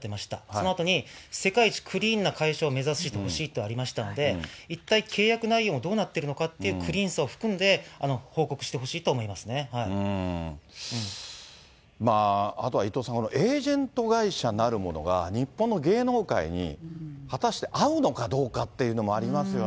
そのあとに、世界一クリーンな会社を目指してほしいとありましたので、一体、契約内容がどうなっているのかっていうクリーンさを含んで、あとは伊藤さん、エージェント会社なるものが、日本の芸能界に果たして合うのかどうかっていうのもありますよね。